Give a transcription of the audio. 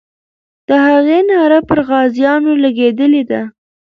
د هغې ناره پر غازیانو لګېدلې ده.